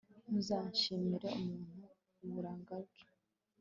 ntuzashimire umuntu uburanga bwe